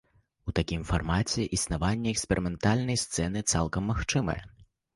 У такім фармаце існаванне эксперыментальнай сцэны цалкам магчымае!